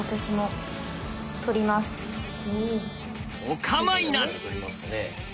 お構いなし！